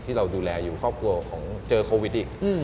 ที่เราดูแลอยู่ครอบครัวของเจอโควิดอีก